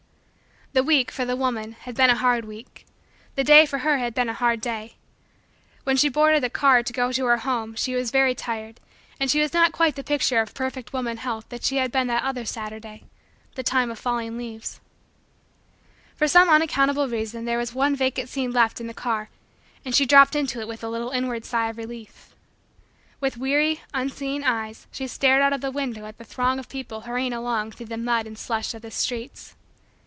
The week, for the woman, had been a hard week. The day, for her, had been a hard day. When she boarded the car to go to her home she was very tired and she was not quite the picture of perfect woman health that she had been that other Saturday the time of falling leaves. For some unaccountable reason there was one vacant seat left in the car and she dropped into it with a little inward sigh of relief. With weary, unseeing, eyes she stared out of the window at the throng of people hurrying along through the mud and slush of the streets.